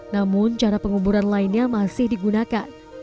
namun cara penguburan lainnya masih digunakan